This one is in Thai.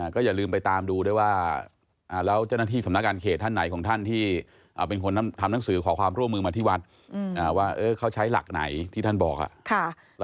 ก็พูดว่ากฏมบอกว่าสั่งการให้เจ้าหน้าที่คนนี้